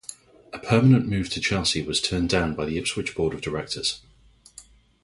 A permanent move to Chelsea was turned down by the Ipswich Board of Directors.